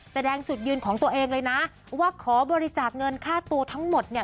แสดงจุดยืนของตัวเองเลยนะว่าขอบริจาคเงินค่าตัวทั้งหมดเนี่ย